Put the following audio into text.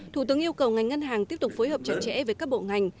thủ tướng yêu cầu ngành ngân hàng tiếp tục phối hợp chặt chẽ với các bộ ngành